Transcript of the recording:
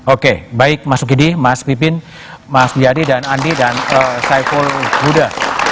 oke baik mas ukidi mas pipin mas buyadi dan andi dan saiful huda